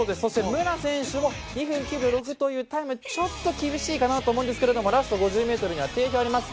武良選手も２分９秒６９というタイムちょっと厳しいかなと思うんですがラスト５０ｍには定評があります。